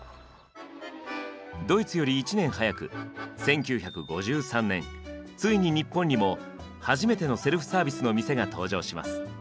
ドイツより１年早く１９５３年ついに日本にも初めてのセルフサービスの店が登場します。